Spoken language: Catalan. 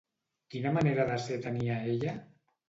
Quina manera de ser tenia ella?